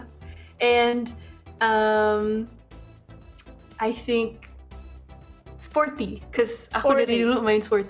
menyanyi karena saya sudah dulu bermain sepak